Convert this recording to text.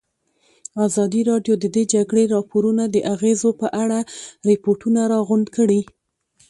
ازادي راډیو د د جګړې راپورونه د اغېزو په اړه ریپوټونه راغونډ کړي.